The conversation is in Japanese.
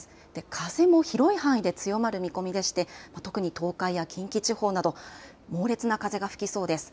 風も広い範囲で強まる見込みでして特に東海や近畿地方など猛烈な風が吹きそうです。